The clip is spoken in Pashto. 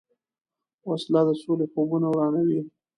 وسله د سولې خوبونه ورانوي